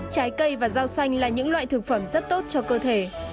trái cây và rau xanh là những loại thực phẩm rất tốt